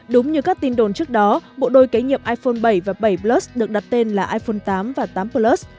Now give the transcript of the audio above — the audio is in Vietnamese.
đúng như các tin đồn trước đó bộ đôi kế nhiệm iphone bảy và bảy plus được đặt tên là iphone tám và tám plus